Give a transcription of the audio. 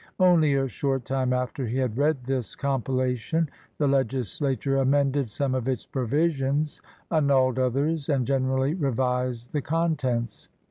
Only a short time after he had read this compilation 1 the legislature amended some of its provisions, annulled others, and generally revised the contents.